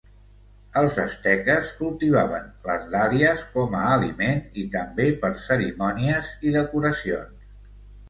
Els asteques cultivaven les dàlies com a aliment i també per cerimònies i decoracions.